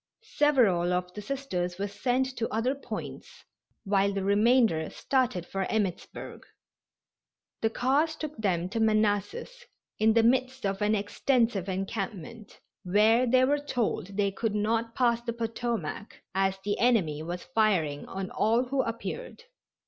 Several of the Sisters were sent to other points, while the remainder started for Emmittsburg. The cars took them to Manassas, in the midst of an extensive encampment, where they were told they could not pass the Potomac, as the enemy was firing on all who appeared.